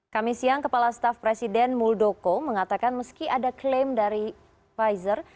kami siang kepala staf presiden muldoko mengatakan meski ada klaim dari pfizer